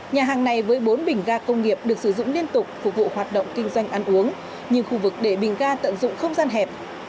nhà hàng này với bốn bình ga công nghiệp được sử dụng liên tục phục vụ hoạt động kinh doanh ăn uống nhưng khu vực để bình ga tận dụng không gian hẹp